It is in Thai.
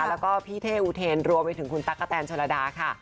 แล้วก็พี่เทวูเทญรวมไปถึงคนตักกะแทนฝรดาค่ะ